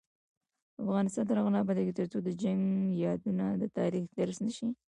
افغانستان تر هغو نه ابادیږي، ترڅو د جنګ یادونه د تاریخ درس نشي.